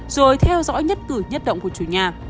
rồi theo dõi nhất cử nhất động của chủ nhà